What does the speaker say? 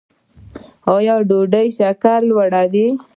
ایا ډوډۍ شکر لوړوي؟